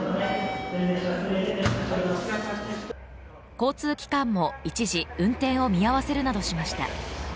交通機関も一時運転を見合わせるなどしました。